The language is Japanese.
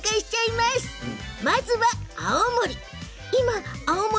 まずは青森。